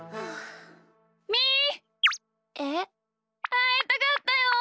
あいたかったよ！